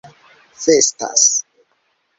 festas